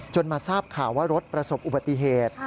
มาทราบข่าวว่ารถประสบอุบัติเหตุ